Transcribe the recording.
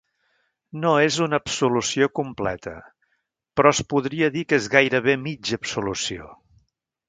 No és una absolució completa, però es podria dir que és gairebé mitja absolució.